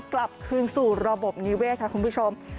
กลับคืนสู่ระบบนิเวศค่ะคุณผู้ชม